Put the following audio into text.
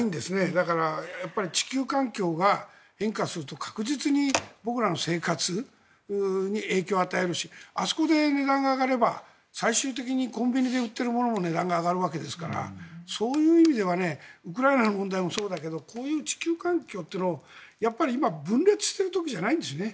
だから、地球環境が変化すると確実に僕らの生活に影響を与えるしあそこで値段が上がれば最終的にコンビニで売っているものも値段も上がるわけですからそういう意味ではウクライナの問題もそうだけどこういう地球環境というのは今、分裂している時じゃないんですね。